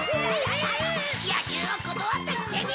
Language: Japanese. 野球を断ったくせに！